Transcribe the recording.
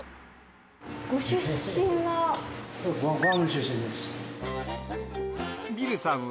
ご出身は？